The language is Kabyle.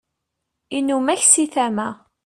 inumak si tama